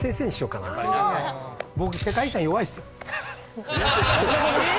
僕世界遺産弱いっすよ。え！